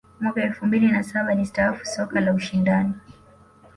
mwaka elfu mbili na saba alistaafu soka la ushindani